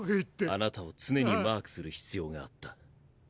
あなたを常にマークする必要があった。